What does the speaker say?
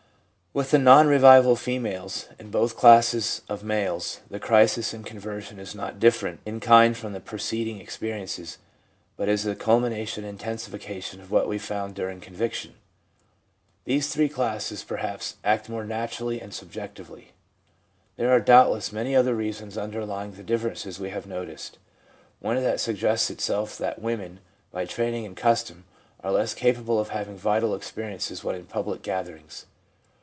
' 1 Havelock Ellis, Man and Woman t chap, xiii,, 'The Affectibility of Woman. ' 8o THE PSYCHOLOGY OF RELIGION With the non revival females and both classes of males, the crisis in conversion is not different in kind from the preceding experiences, but is a culmination and intensification of what we found during conviction. These three classes perhaps act more naturally and subjectively. There are doubtless many other reasons underlying the differences we have noticed. One that suggests itself is that women, by training and custom, are less capable of having vital experiences when in public gatherings.